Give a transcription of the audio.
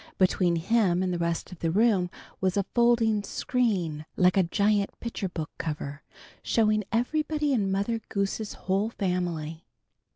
Between him and the rest of the room was a folding screen, like a giant picture book cover, showing everybody in Mother Goose's whole family.